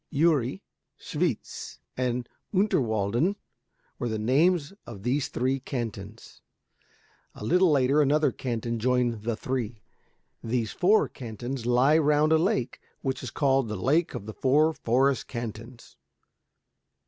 Uri, Schwyz, and Unterwalden were the names of these three cantons. A little later another canton joined the three. These four cantons lie round a lake which is called the Lake of the four Forest Cantons.